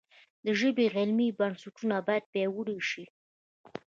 د ژبې علمي بنسټونه باید پیاوړي شي.